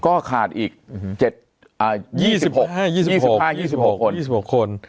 ก็ขาดอีก๒๕๒๖คน